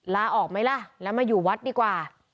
ลาออกไหมล่ะแล้วมาอยู่วัดดีกว่า